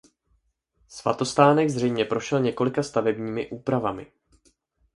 Svatostánek zřejmě prošel několika stavebními úpravami.